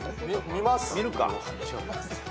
見ます。